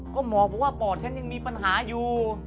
ก็หมอบอกว่าปอดฉันยังมีปัญหาอยู่